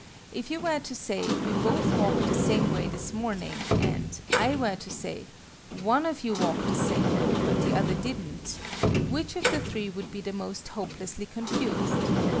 If you were to say "we both walked the same way this morning," and I were to say "one of you walked the same way, but the other didn't," which of the three would be the most hopelessly confused?